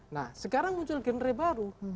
nah sekarang muncul genre baru